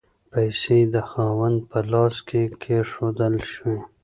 پیسې د خاوند په لاس کې کیښودل شوې.